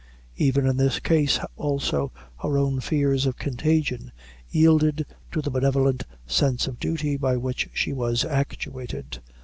Even in this case, also, her own fears of contagion yielded to the benevolent sense of duty by which she was actuated.